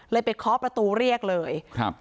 เลยไปเคาะประตูเรียกเลย